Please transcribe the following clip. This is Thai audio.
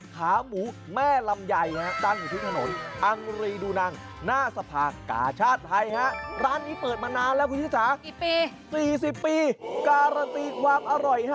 การัตรีความอร่อย